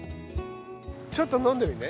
ちょっと飲んでみるね。